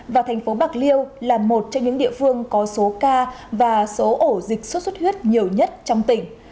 và thành phố bạc liêu là một trong những địa phương có số ca và số ổ dịch sốt xuất huyết nhiều nhất trong tỉnh